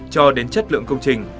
cho đến chất lượng công trình